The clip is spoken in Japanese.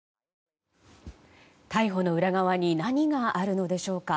逮捕の裏側に何があるのでしょうか。